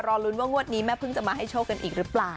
รอลุ้นว่างวดนี้แม่พึ่งจะมาให้โชคกันอีกหรือเปล่า